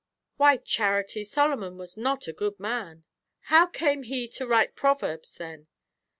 "Why, Charity, Solomon was not a good man." "How came he to write proverbs, then?"